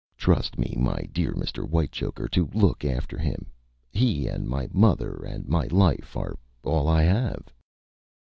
Trust me, my dear Mr. Whitechoker, to look after him. He and my mother and my life are all I have."